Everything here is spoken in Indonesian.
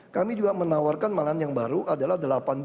kami juga menawarkan malahan yang baru adalah delapan puluh